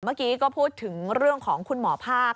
เมื่อกี้ก็พูดถึงเรื่องของคุณหมอภาค